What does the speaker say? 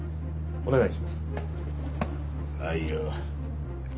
お願いします。